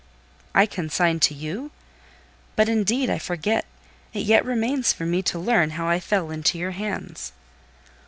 "I consigned to you? But, indeed, I forget. It yet remains for me to learn how I fell into your hands."